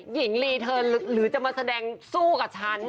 หญิงลีเทิร์นหรือจะมาแสดงสู้กับฉัน